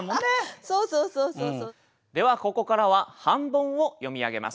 ではここからは半ボンを読み上げます。